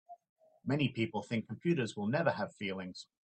Many people think computers will never have feelings.